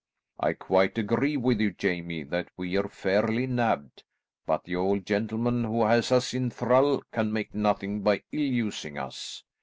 "I quite agree with you, Jamie, that we're fairly nabbed, but the old gentleman who has us in thrall can make nothing by ill using us.